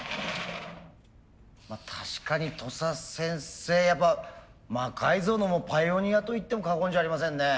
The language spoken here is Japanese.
確かに土佐先生やっぱ魔改造のパイオニアといっても過言じゃありませんね。